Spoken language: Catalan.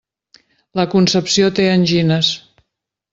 La Concepció té angines.